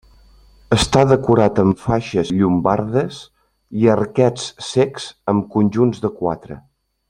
Està decorat amb faixes llombardes i arquets cecs amb conjunts de quatre.